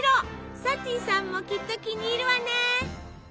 サティさんもきっと気に入るわね！